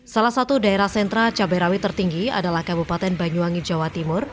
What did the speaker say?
salah satu daerah sentra cabai rawit tertinggi adalah kabupaten banyuwangi jawa timur